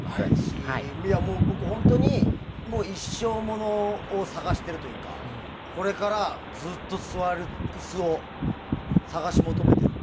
僕、本当に一生ものを探しているというかこれからずっと座る椅子を探し求めてる。